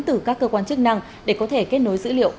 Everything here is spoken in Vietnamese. từ các cơ quan chức năng để có thể kết nối dữ liệu